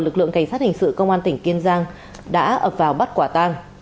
các hình sự công an tỉnh kiên giang đã ập vào bắt quả tàng